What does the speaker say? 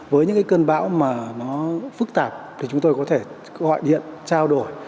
với những cái cơn bão mà nó phức tạp thì chúng tôi có thể gọi điện trao đổi